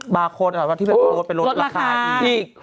บาร์โค้ดอะไรแบบที่เป็นรถราคาอีก